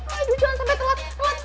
aduh jangan sampe telat